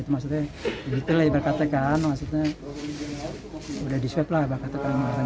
maksudnya begitu lah berkata kan maksudnya sudah disweb lah berkata kan